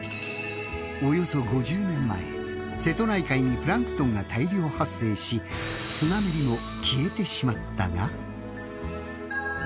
およそ５０年前瀬戸内海にプランクトンが大量発生しスナメリも消えてしまったが。